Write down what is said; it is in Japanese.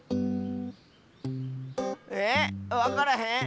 えっわからへん？